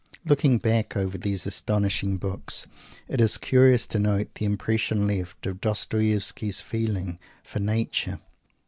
Looking back over these astonishing books, it is curious to note the impression left of Dostoievsky's feeling for "Nature."